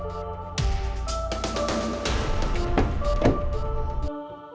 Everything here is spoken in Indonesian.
aku harus bantu dengan cara apa